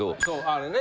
あれね。